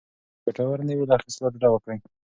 که ګټور نه وي، له اخيستلو ډډه وکړئ.